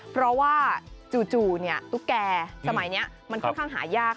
เพราะว่าจู่ตุ๊กแก่สมัยนี้มันค่อนข้างหายาก